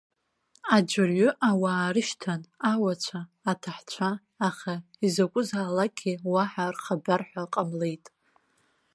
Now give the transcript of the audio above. Аӡәырҩы ауаа рышьҭан, ауацәа аҭахцәа, аха изакәызаалакгьы уаҳа рхабар ҳәа ҟамлеит.